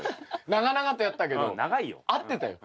長々とやったけど合ってたよ。